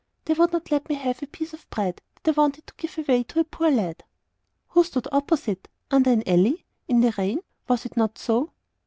They would not let me have a piece of bread that I wanted to give away to a poor lad." "Who stood opposite under an alley in the rain? was it not so?"